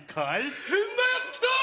変なやつ来たー！